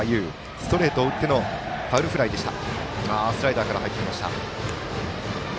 ストレートを打ってのファウルフライでした。